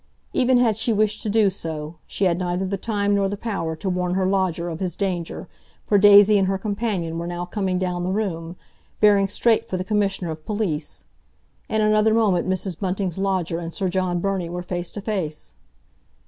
Even had she wished to do so, she had neither the time nor the power to warn her lodger of his danger, for Daisy and her companion were now coming down the room, bearing straight for the Commissioner of Police. In another moment Mrs. Bunting's lodger and Sir John Burney were face to face.